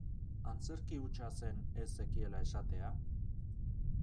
Antzerki hutsa zen ez zekiela esatea?